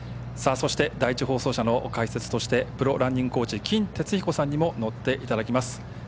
そして、第１放送車の解説としてプロ・ランニングコーチ金哲彦さんにも乗っていただきます。